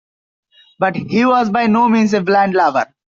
But he was by no means a blind lover.